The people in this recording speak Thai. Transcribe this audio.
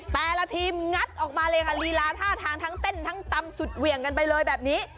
แต่ละทีมงัดออกมาเลยค่ะลีลาท่าทางทั้งเต้นทั้งตำสุดเหวี่ยงกันไปเลยแบบนี้